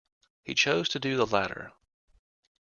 He chose to do the latter.